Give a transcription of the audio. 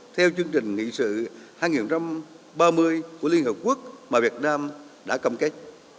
theo chương trình nghị sự hai nghìn ba mươi của liên hợp quốc mà việt nam đã cam kết